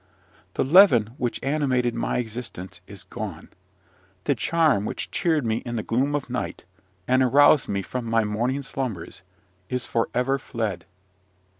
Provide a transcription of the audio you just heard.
The leaven which animated my existence is gone: the charm which cheered me in the gloom of night, and aroused me from my morning slumbers, is for ever fled.